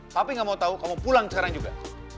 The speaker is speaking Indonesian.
tapi gak mau tahu kamu pulang sekarang juga